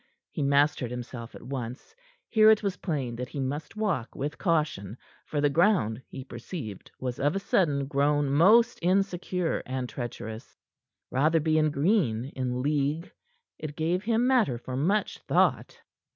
He mastered himself at once. Here it was plain that he must walk with caution, for the ground, he perceived, was of a sudden grown most insecure and treacherous. Rotherby and Green in league! It gave him matter for much thought.